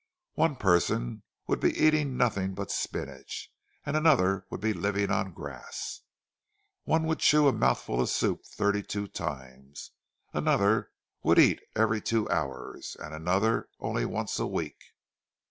One person would be eating nothing but spinach, and another would be living on grass. One would chew a mouthful of soup thirty two times; another would eat every two hours, and another only once a week.